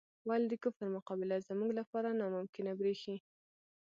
ولې د کفر مقابله زموږ لپاره ناممکنه بریښي؟